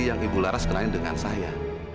yang ibu laras kenalin dengan saya